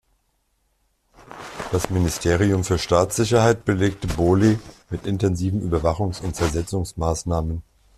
Das Ministerium für Staatssicherheit belegte Bohley mit intensiven Überwachungs- und Zersetzungsmaßnahmen.